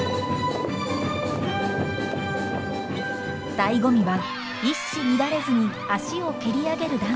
醍醐味は一糸乱れずに足を蹴り上げるダンス。